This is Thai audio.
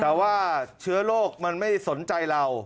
แต่ว่าเชื้อโรคมันไม่สนใจเรา